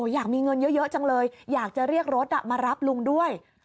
อยากมีเงินเยอะจังเลยอยากจะเรียกรถมารับลุงด้วย